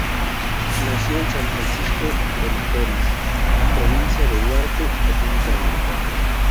Nació en San Francisco de Macorís, Provincia Duarte, República Dominicana.